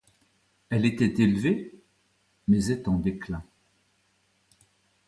Elle était élevée, mais est en déclin.